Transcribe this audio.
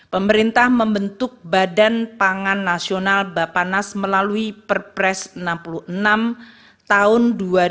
pemerintah membentuk badan pangan nasional bapanas melalui perpres enam puluh enam tahun dua ribu dua puluh